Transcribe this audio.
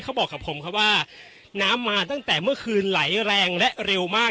เขาบอกกับผมครับว่าน้ำมาตั้งแต่เมื่อคืนไหลแรงและเร็วมาก